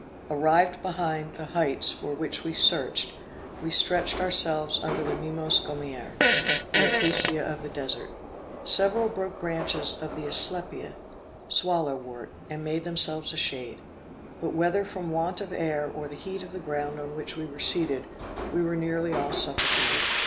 Arrived behind the heights for which we searched, we stretched ourselves under the Mimos gommier, (the acacia of the Desert), several broke branches of the asclepia (swallow wort), and made themselves a shade. But whether from want of air, or the heat of the ground on which we were seated, we were nearly all suffocated.